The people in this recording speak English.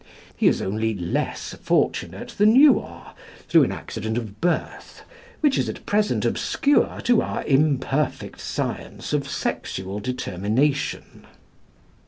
He is only less fortunate than you are, through an accident of birth, which is at present obscure to our imperfect science of sexual determination.